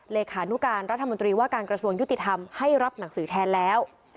เลขานุการรัฐมนตรีว่าการกระทรวงยุติธรรมให้รับหนังสือแทนแล้ว